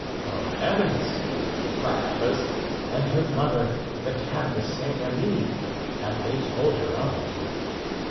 "Oh, heavens!" cried Athos. "And her mother, Madame de Saint Remy, have they yet told her of it?"